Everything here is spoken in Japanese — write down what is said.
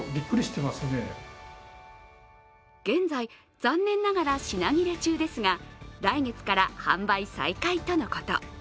現在、残念ながら品切れ中ですが来月から販売再開とのこと。